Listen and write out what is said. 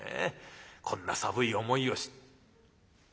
こんな寒い思いをし。